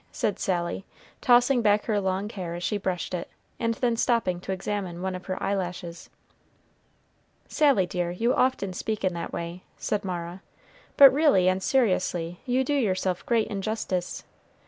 said Sally, tossing back her long hair as she brushed it, and then stopping to examine one of her eyelashes. "Sally dear, you often speak in that way," said Mara, "but really and seriously, you do yourself great injustice.